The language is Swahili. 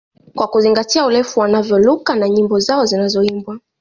Kwa kuzingatia urefu wa wanavyoruka na nyimbo zao zinazoimbwa